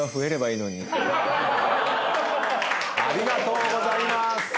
ありがとうございます！